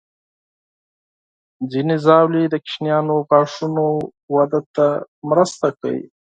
ځینې ژاولې د ماشومانو د غاښونو وده ته مرسته کوي.